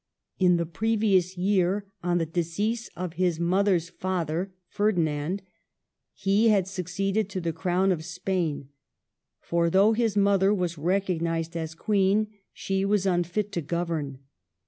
In the previous year, on the decease of his mother's father, Ferdinand, he had succeeded to the crown of Spain ; for though his mother was recognized as Queen, she was unfit to govern.